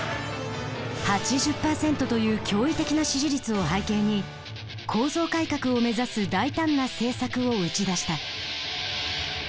８０％という驚異的な支持率を背景に構造改革を目指す大胆な政策を打ち出した。